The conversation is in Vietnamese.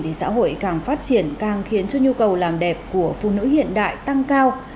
thì xã hội càng phát triển càng khiến cho nhu cầu làm đẹp của phụ nữ hiện đại tăng cao